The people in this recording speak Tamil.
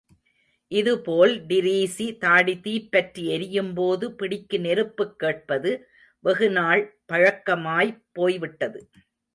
இதுபோல் டிரீஸி தாடி தீப்பற்றி எரியும்போது பிடிக்கு நெருப்புக் கேட்பது வெகு நாள் பழக்கமாய்ப் போய்விட்டது.